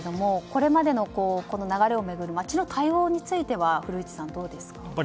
これまでの流れを見ると町の対応については古市さん、どうですか。